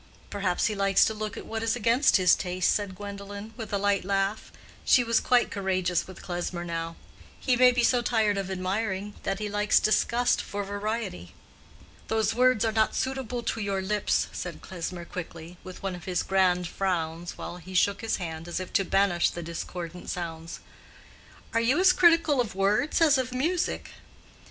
"Perhaps he likes to look at what is against his taste," said Gwendolen, with a light laugh; she was quite courageous with Klesmer now. "He may be so tired of admiring that he likes disgust for variety." "Those words are not suitable to your lips," said Klesmer, quickly, with one of his grand frowns, while he shook his hand as if to banish the discordant sounds. "Are you as critical of words as of music?"